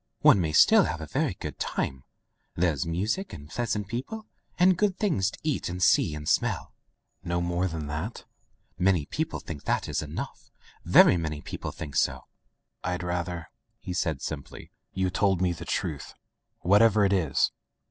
One may still have a very good time. There's music, and pleasant [ 300 ] Digitized by LjOOQ IC Son of the Woods people, and good things to eat and see and smell." "No more than that?" "Many people think that is enough. Fery many people diink so." "Fd rather," he said simply, "you told me the truth, whatever it is.